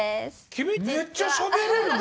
君めっちゃしゃべれるね。